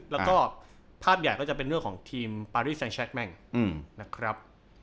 แล้วก็ภาพใหญ่ก็จะเป็นเรื่องของทีมปารีแซงแชคแม่งนะครับ